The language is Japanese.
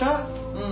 うん。